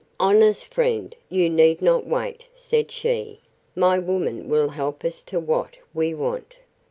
—Honest friend, you need not wait, said she; my woman will help us to what we want.